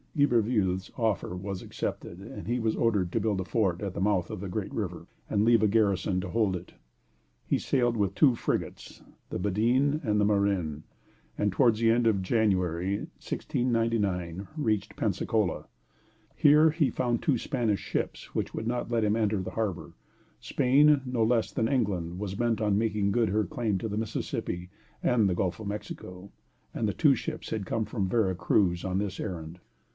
Iberville's offer was accepted; he was ordered to build a fort at the mouth of the great river, and leave a garrison to hold it. He sailed with two frigates, the "Badine" and the "Marin," and towards the end of January, 1699, reached Pensacola. Here he found two Spanish ships, which would not let him enter the harbor. Spain, no less than England, was bent on making good her claim to the Mississippi and the Gulf of Mexico, and the two ships had come from Vera Cruz on this errand.